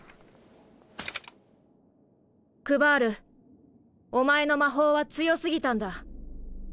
クヴァールお前の魔法は強過ぎたんだ。